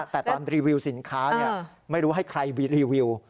แต่ตอนรีวิวสินค้าไม่รู้ให้ใครรีวิว